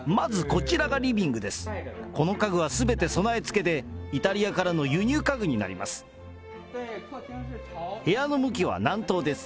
この家具はすべて備え付けで、イタリアからの輸入家具になります。